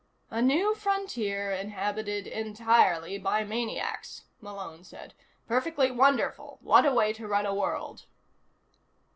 "A New Frontier inhabited entirely by maniacs," Malone said. "Perfectly wonderful. What a way to run a world."